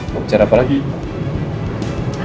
mau bicara apa lagi